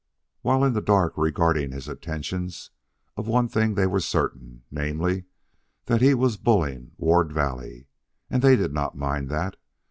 While in the dark regarding his intentions, of one thing they were certain; namely, that he was bulling Ward Valley. And they did not mind that.